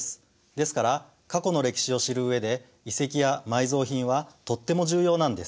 ですから過去の歴史を知る上で遺跡や埋蔵品はとっても重要なんです。